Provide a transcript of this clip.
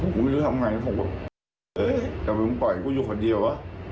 ผมก็ไม่รู้ว่าทำยังไงแล้วผมก็อยู่คนเดียว